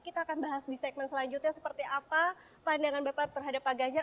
kita akan bahas di segmen selanjutnya seperti apa pandangan bapak terhadap pak ganjar